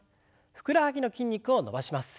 ふくらはぎの筋肉を伸ばします。